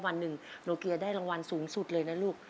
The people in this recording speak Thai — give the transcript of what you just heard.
วันหนึ่งโนเกียได้รางวัลสูงสุดเลยนะลูก